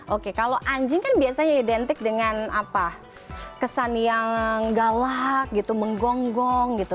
oke kalau anjing kan biasanya identik dengan apa kesan yang galak gitu menggonggong gitu